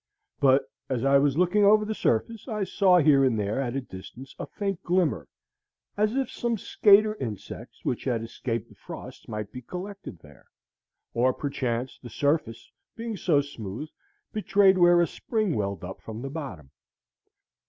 But, as I was looking over the surface, I saw here and there at a distance a faint glimmer, as if some skater insects which had escaped the frosts might be collected there, or, perchance, the surface, being so smooth, betrayed where a spring welled up from the bottom.